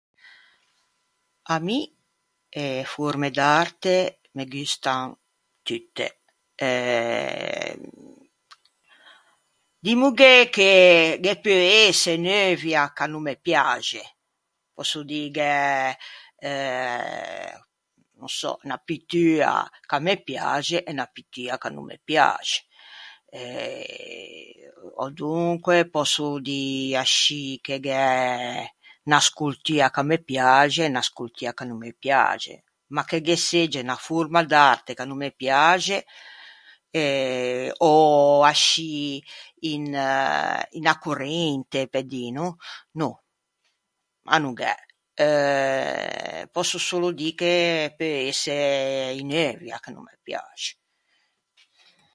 À mi e forme d’arte me gustan tutte. Eh dimmoghe che ghe peu ëse unn’euvia ch’a no me piaxe, pòsso dî gh’é eh no sò, unna pittua ch’a me piaxe e unna pittua ch’a no me piaxe. Eh ò donque pòsso dî ascì che gh’é unna scultua ch’a me piaxe e unna scultua ch’a no me piaxe. Ma che ghe segge unna forma d’arte ch’a no me piaxe eh ò ascì un unna corrente pe dî no, no, a no gh’é. Pòsso solo dî che peu ëse unn’euvia ch’a no me piaxe.